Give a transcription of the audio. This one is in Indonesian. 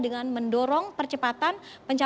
dengan mendorong percepatan ekonomi global